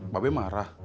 mbak be marah